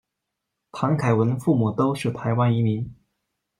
谭凯文父母都是台湾移民。